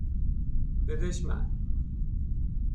بدش من